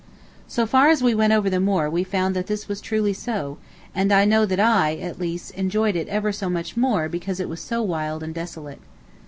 So far as we went over the moor we found that this was truly so, and I know that I, at least, enjoyed it ever so much more because it was so wild and desolate.